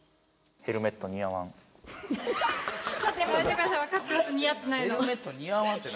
ヘルメットにあわんって何？